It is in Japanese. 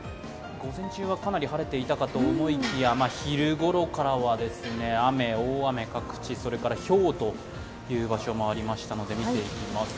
午前中はかなり晴れていたかと思いきや昼ごろからは雨、大雨、各地、ひょうという場所もありましたので見ていきます。